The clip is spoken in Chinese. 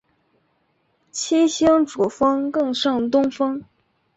七星主峰更胜东峰